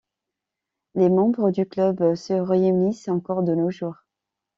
Les membres du club se réunissent encore de nos jours.